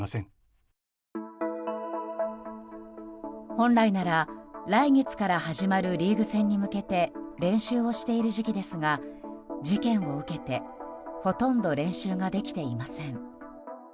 本来なら来月から始まるリーグ戦に向けて練習をしている時期ですが事件を受けてほとんど練習ができていません。